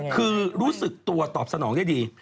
คือรู้สึกตัวตอบสนองได้ดี